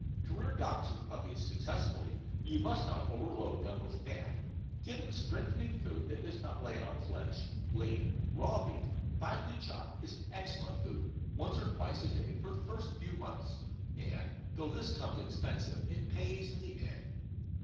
To rear Dachshund puppies successfully you must not overload them with fat give them strengthening food that does not lay on flesh. Lean, raw beef, finely chopped, is an excellent food once or twice a day for the first few months, and, though this comes expensive, it pays in the end.